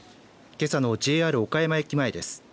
けさのＪＲ岡山駅前です。